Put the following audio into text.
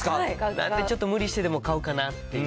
なんで、ちょっと無理してでも買うかなっていう。